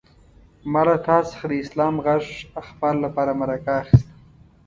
ما له تا څخه د اسلام غږ اخبار لپاره مرکه اخيسته.